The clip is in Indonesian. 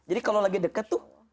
kalau lagi dekat tuh